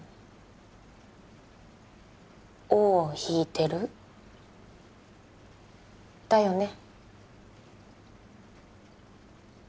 尾を引いてるだよね？